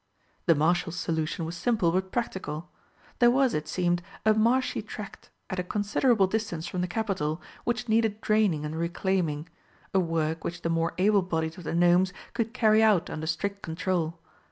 The Marshal's solution was simple but practical. There was, it seemed, a marshy tract at a considerable distance from the capital which needed draining and reclaiming a work which the more able bodied of the Gnomes could carry out under strict control.